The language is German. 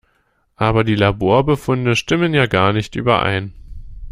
Aber die Laborbefunde stimmen ja gar nicht überein.